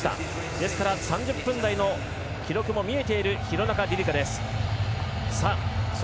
ですから、３０分台の記録も見えている廣中璃梨佳です。